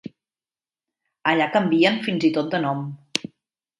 Allà canvien fins i tot de nom.